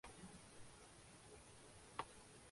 دونوں اطراف جھگڑا ختم کرنے کے لیے مذاکرات میں ہیں